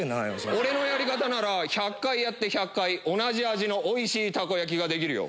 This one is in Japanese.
俺のやり方なら１００回やって１００回同じ味のおいしいたこ焼きができるよ。